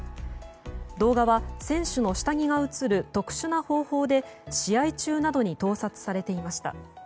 動画は選手の下着が映る特殊な方法で試合中などに盗撮されていました。